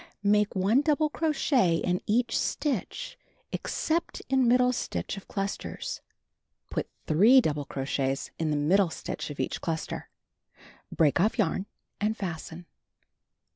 Make 1 double crochet in each stitch except in middle stitch of clusters. Put 3 double crochets in the middle stitch of each cluster. Break off yarn and fasten.